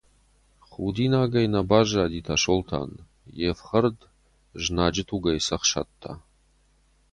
Худинагӕй нӕ баззади Тасолтан, йе ’фхӕрд знаджы тугӕй цӕхсадта.